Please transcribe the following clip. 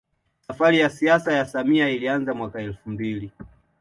Safari ya siasa ya samia ilianza mwaka elfu mbili